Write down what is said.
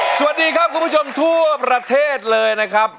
สวัสดีครับคุณผู้ชมทั่วประเทศเลยนะครับ